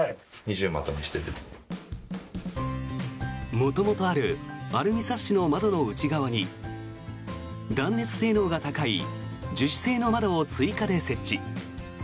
元々あるアルミサッシの窓の内側に断熱性能が高い樹脂製の窓を追加で設置。